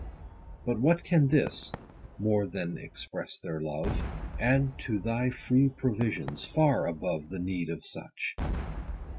But what can this (more than express their love) Add to thy free provisions, far above The need of such